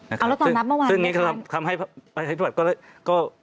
เอาละตอนนั้นเมื่อวานซึ่งนี่ทำให้บัตรก็